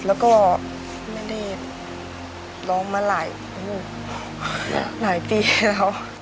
แล้วก็ไม่ได้ร้องมาหลายปีแล้ว